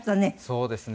そうですね。